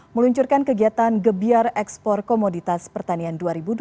meluncurkan kegiatan gebiar ekspor komoditas pertanian dua ribu dua puluh